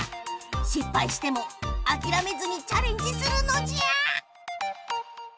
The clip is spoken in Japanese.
しっぱいしてもあきらめずにチャレンジするのじゃ！